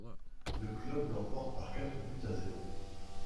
Le Club l'emporte par quatre buts à zéro.